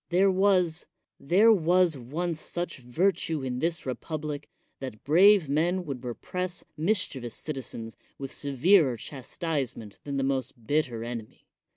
Thei was — tiiere was once such virtue in this republi that brave men would repress mischievous cit zens with severer chastisement than the most bii ter enemy.